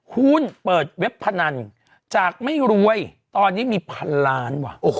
หุ้นเปิดเว็บพนันจากไม่รวยตอนนี้มีพันล้านว่ะ